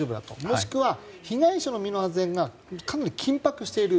もしくは被害者の身の安全がかなり緊迫している。